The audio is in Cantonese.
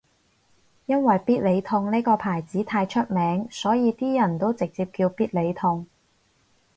因為必理痛呢個牌子太出名所以啲人都直接叫必理痛